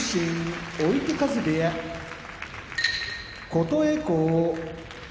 琴恵光